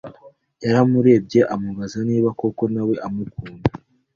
Yaramurebye amubaza niba koko nawe amukunda